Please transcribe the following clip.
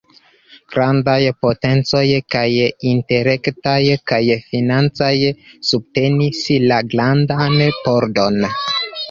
Grandaj potencoj, kaj intelektaj kaj financaj subtenis la "grandan pordon".